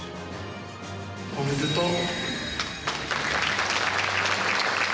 おめでとう。